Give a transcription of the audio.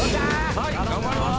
はい頑張ります。